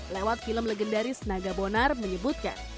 lewat film legendaris naga bonar menyebutkan